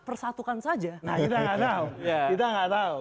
persatukan saja nah kita gak tahu